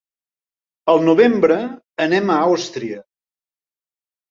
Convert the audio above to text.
Al novembre anem a Àustria.